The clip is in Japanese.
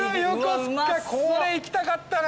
これいきたかったな。